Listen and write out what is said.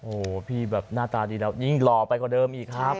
โอ้โหพี่แบบหน้าตาดีแล้วยิ่งหล่อไปกว่าเดิมอีกครับ